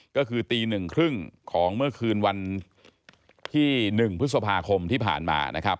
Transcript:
ก็คือตี๑๓๐ของเมื่อคืนวันที่๑พฤษภาคมที่ผ่านมานะครับ